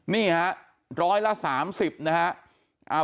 นี่ฮะร้อยละ๓๐นะฮะ